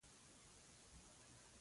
محبت مې د تقدیر تر رڼا لاندې ښخ شو.